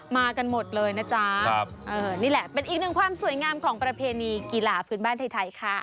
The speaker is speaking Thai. มากันหมดเลยนะจ๊ะนี่แหละเป็นอีกหนึ่งความสวยงามของประเพณีกีฬาพื้นบ้านไทยค่ะ